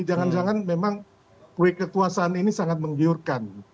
jangan jangan memang kuih ketuasaan ini sangat menggiurkan